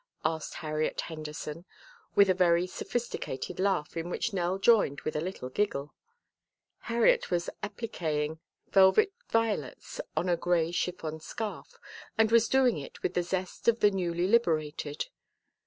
asked Harriet Henderson, with a very sophisticated laugh in which Nell joined with a little giggle. Harriet was appliqueing velvet violets on a gray chiffon scarf and was doing it with the zest of the newly liberated.